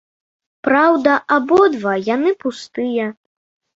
Праўда, абодва яны пустыя.